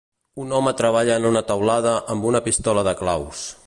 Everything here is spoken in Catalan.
Un home treballa en una teulada amb una pistola de claus.